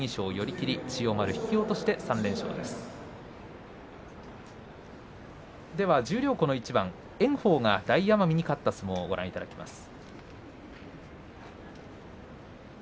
では十両この一番炎鵬が大奄美に勝った相撲をご覧いただきます。